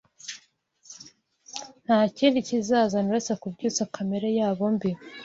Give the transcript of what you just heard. nta kindi bizazana uretse kubyutsa kamere yabo mbi